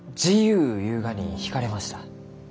ゆうがに引かれました。